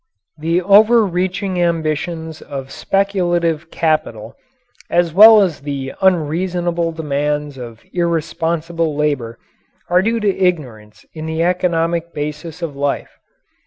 The over reaching ambitions of speculative capital, as well as the unreasonable demands of irresponsible labour, are due to ignorance of the economic basis of life.